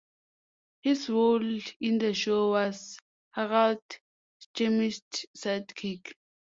His role in the show was Harald Schmidt's "sidekick".